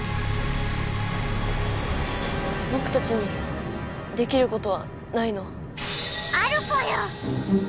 ぼくたちにできることはないの？